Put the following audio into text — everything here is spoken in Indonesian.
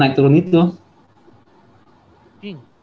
jadi ya harus naik turun naik turun itu